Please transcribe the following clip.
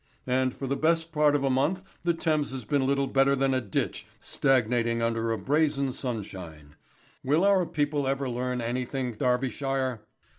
And for the best part of a month the Thames has been little better than a ditch stagnating under a brazen sunshine. Will our people ever learn anything, Darbyshire?